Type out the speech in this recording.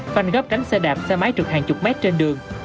phanh gấp tránh xe đạp xe máy trượt hàng chục mét trên đường